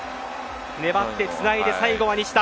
粘ってつないで最後は西田。